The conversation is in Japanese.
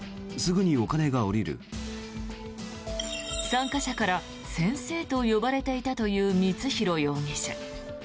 参加者から先生と呼ばれていたという光弘容疑者。